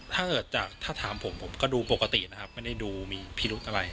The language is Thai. ถ้าเกิดจากถ้าถามผมผมก็ดูปกตินะครับไม่ได้ดูมีพิรุธอะไร